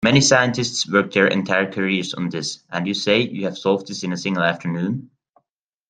Many scientists work their entire careers on this, and you say you have solved this in a single afternoon?